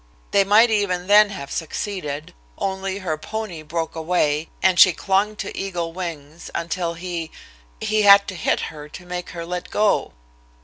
They might even then have succeeded, only her pony broke away, and she clung to Eagle Wing's until he he had to hit her to make her let go.